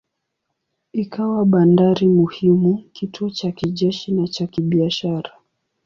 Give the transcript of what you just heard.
Ikawa bandari muhimu, kituo cha kijeshi na cha kibiashara.